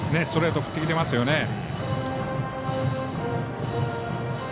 ストレート振ってきてますよね。